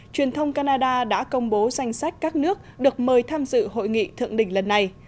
truyền thông canada đã công bố danh sách các nước được mời tham dự hội nghị thượng đỉnh lần này